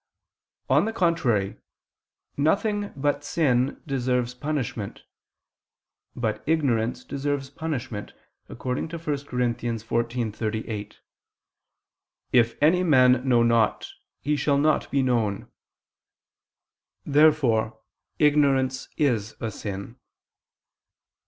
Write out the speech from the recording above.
On the contrary, Nothing but sin deserves punishment. But ignorance deserves punishment, according to 1 Cor. 14:38: "If any man know not, he shall not be known." Therefore ignorance is a sin.